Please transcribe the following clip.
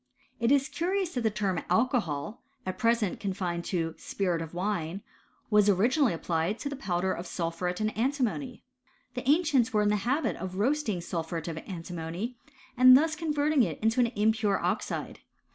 It is curious that the term alcoholy at present confined to spirit of vnne, was originally applied to the powder of sulphuret of antimony. J The ancients were in the habit of roasting sulphuret of antimony, and thus converting it into an impure oxide.